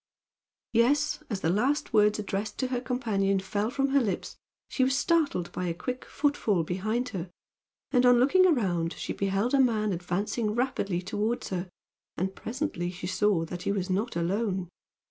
Yes, as the last words addressed to her companion fell from her lips she was startled by a quick footfall behind her; and on looking around she beheld a man advancing rapidly toward her, and presently she saw that he was not alone.